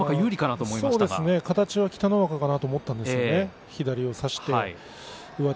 そうですね、形は北の若かなと思ったんですがね。